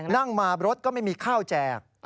นั่งมารถก็ไม่มีข้าวแจก